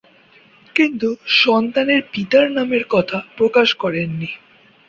কিন্তু সন্তানের পিতার নামের কথা প্রকাশ করেননি।